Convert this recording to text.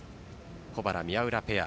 保原・宮浦ペア。